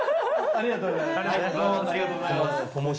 ありがとうございます。